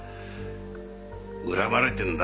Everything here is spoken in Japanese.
恨まれてるんだ。